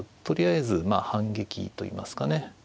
とりあえず反撃といいますかね。